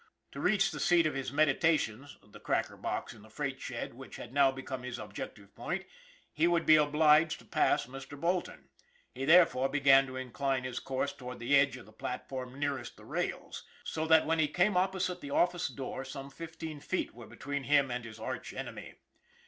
To reach the seat of his meditations the cracker box in the freight shed which had now become his objective point he would be obliged to pass Mr. Bolton. He therefore began to incline his course toward the edge of the platform nearest the rails, so that, when he 314 ON THE IRON AT BIG CLOUD came opposite the office door, some fifteen feet were between him and his arch enemy.